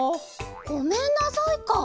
「ごめんなさい」か！